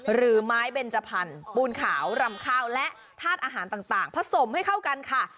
หรือไม้เบนจพันธุ์ปูนขาวรำข้าวและธาตุอาหารต่างผสมให้เข้ากันค่ะ